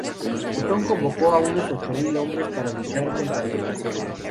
Otón convocó a unos ocho mil hombres para luchar contra la invasión.